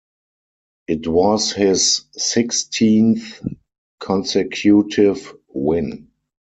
It was his sixteenth consecutive win.